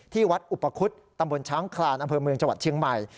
ที่วัดอุปคุฎตำบลช้างคลานอำเภอเมืองจังหวัดเชียงใหม่